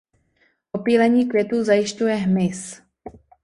Opylení květů zajišťuje hmyz.